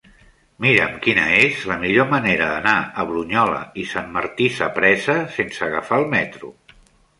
Mira'm quina és la millor manera d'anar a Brunyola i Sant Martí Sapresa sense agafar el metro.